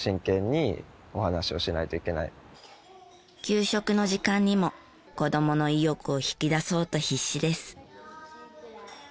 給食の時間にも子どもの意欲を引き出そうと必死です。